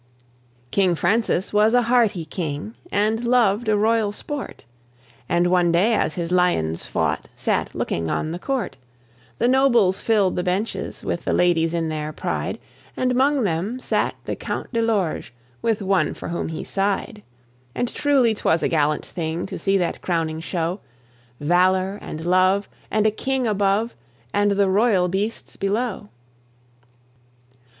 King Francis was a hearty king, and loved a royal sport, And one day as his lions fought, sat looking on the court; The nobles filled the benches, with the ladies in their pride, And 'mong them sat the Count de Lorge with one for whom he sighed: And truly 'twas a gallant thing to see that crowning show, Valour, and love, and a king above, and the royal beasts below.